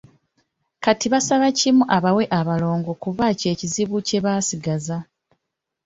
Kati basaba kimu abawe abalongo kuba kye kizibu kye basigazza.